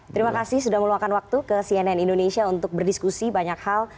terima kasih sudah meluangkan waktu ke cnn indonesia untuk berdiskusi banyak hal